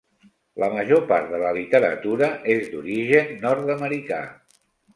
La major part de la literatura és d'origen nord-americà.